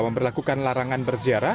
memperlakukan larangan berziarah